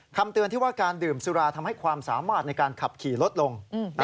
คำเตือนที่ว่าการดื่มสุราทำให้ความสามารถในการขับขี่ลดลง